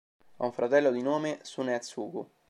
Ha un fratello di nome Sunetsugu.